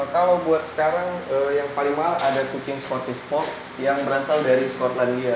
kalau buat sekarang yang paling mahal ada kucing scottish pock yang berasal dari skotlandia